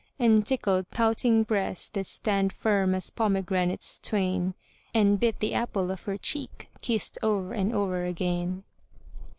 And tickled pouting breasts that stand firm as pomegranates twain * And bit the apple of her cheek kissed o'er and o'er again.